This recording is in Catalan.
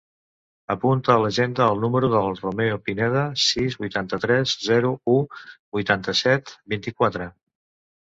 Apunta a l'agenda el número del Romeo Pineda: sis, vuitanta-tres, zero, u, vuitanta-set, vint-i-quatre.